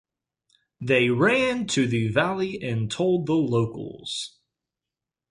They ran to the valley and told the locals.